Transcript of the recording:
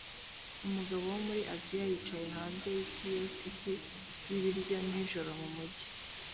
Umugabo wo muri Aziya yicaye hanze kiyosiki y'ibiryo nijoro mumujyi